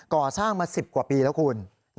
ก่อสร้างมา๑๐กว่าปีแล้วคุณ